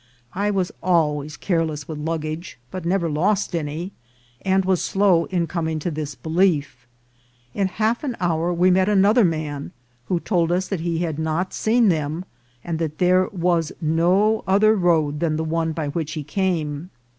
I was always careless with luggage, but never lost any, and was slow in coming to this belief. In half an hour we met another man, who told us that he had not seen them, and that there was no other road than the one by which he came.